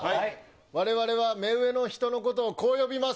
われわれは目上の人のことをこう呼びます。